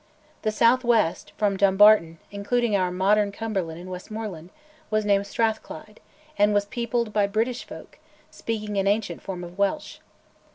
The south west, from Dumbarton, including our modern Cumberland and Westmorland, was named Strathclyde, and was peopled by British folk, speaking an ancient form of Welsh.